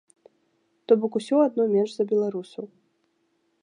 То бок усё адно менш за беларусаў.